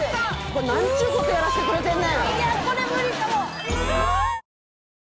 何ちゅうことやらしてくれてんねん！